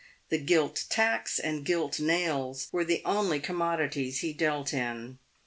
The " gilt tacks" and " gilt nails" were the only commodities he dealt in.